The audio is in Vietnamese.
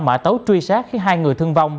mã tấu truy sát khi hai người thương vong